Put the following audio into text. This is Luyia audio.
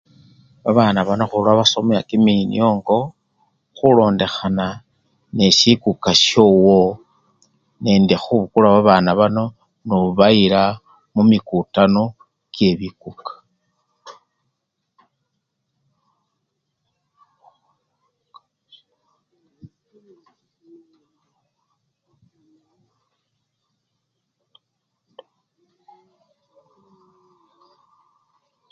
Babana bano khulabasomya kiminyongo khulondekhana nesikuka showo nende khubukula babana bano nobayila mumikutano kye bikuka